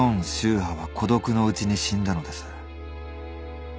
波は孤独のうちに死んだのです。